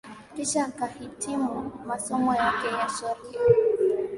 kisha akahitimu masomo yake ya sheria